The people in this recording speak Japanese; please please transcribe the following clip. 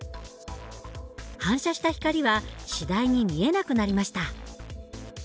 反射した光は次第に見えなくなりました。